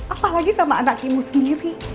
apalagi sama anak ibu sendiri